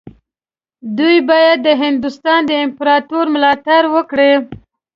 دوی باید د هندوستان د امپراطورۍ ملاتړ وکړي.